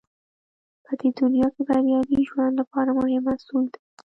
په دې دنيا کې بريالي ژوند لپاره مهم اصول دی.